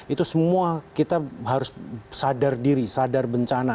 itu semua kita harus sadar diri sadar bencana